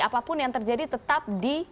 apapun yang terjadi tetap di